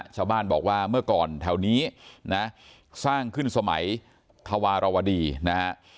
ชาวบ้านบอกว่าเมื่อก่อนแถวนี้นะสร้างขึ้นสมัยธวารวดีนะฮะ